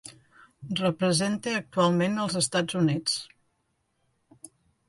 Representa actualment els Estats Units.